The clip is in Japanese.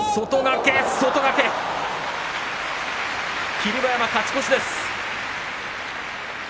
霧馬山、勝ち越しです。